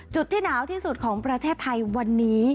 ที่หนาวที่สุดของประเทศไทยวันนี้